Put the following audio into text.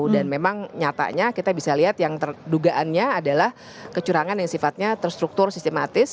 dan memang nyatanya kita bisa lihat yang terdugaannya adalah kecurangan yang sifatnya terstruktur sistematis